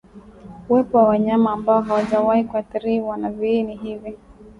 Uwepo wa wanyama ambao hawajawahi kuathiriwa na viini hivi